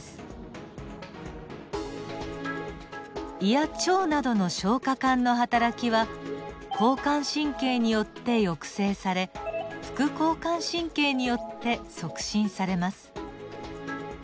胃や腸などの消化管のはたらきは交感神経によって抑制され副交感神経によって促進されます。